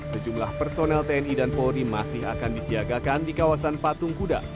sejumlah personel tni dan polri masih akan disiagakan di kawasan patung kuda